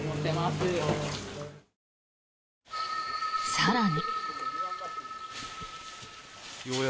更に。